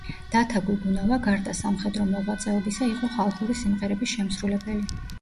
დათა გუგუნავა, გარდა სამხედრო მოღვაწეობისა, იყო ხალხური სიმღერების შემსრულებელი.